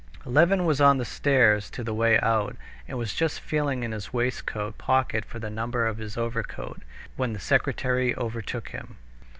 Levin was on the stairs to the way out, and was just feeling in his waistcoat pocket for the number of his overcoat, when the secretary overtook him.